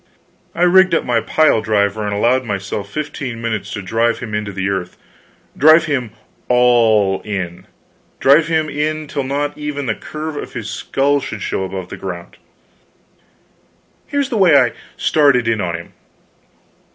I rigged up my pile driver, and allowed myself fifteen minutes to drive him into the earth drive him all in drive him in till not even the curve of his skull should show above ground. Here is the way I started in on him.